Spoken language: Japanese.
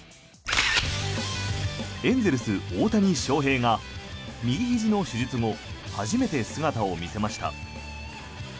エンゼルス、大谷翔平が右ひじの手術後初めて姿を見せました。